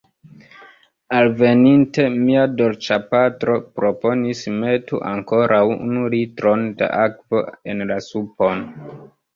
Alveninte, mia Dolĉapatro proponis: metu ankoraŭ unu litron da akvo en la supon.